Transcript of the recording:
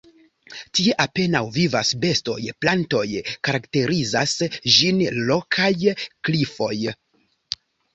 Tie apenaŭ vivas bestoj, plantoj, karakterizas ĝin rokaj klifoj.